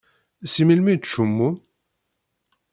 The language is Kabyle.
Si melmi i ttcummun?